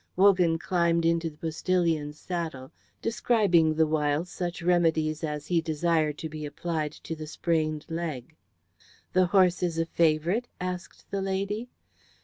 Wogan climbed into the postillion's saddle, describing the while such remedies as he desired to be applied to the sprained leg. "The horse is a favourite?" asked the lady.